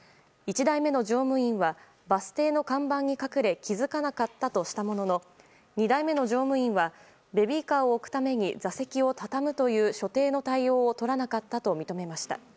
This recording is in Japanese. １台目の乗務員はバス停の看板に隠れ気づかなかったとしたものの２台目の乗務員はベビーカーを置くために座席を畳むという所定の対応をとらなかったと認めました。